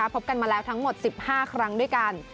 พบกันมาแล้วทั้งหมด๑๕ครั้งด้วยกัน